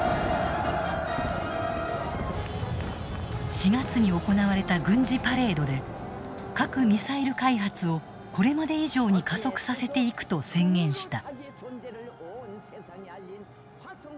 ４月に行われた軍事パレードで核・ミサイル開発をこれまで以上に加速させていくと宣言した。